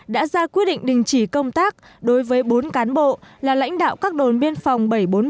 đã ra quyết định đình chỉ công tác đối với bốn cán bộ là lãnh đạo các đồn biên phòng bảy trăm bốn mươi bảy